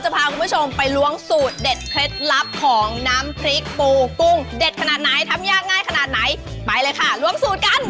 ไปเลยค่ะล้วงสูตรกัน